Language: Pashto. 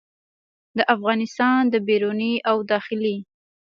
د افغانستان د بیروني او داخلي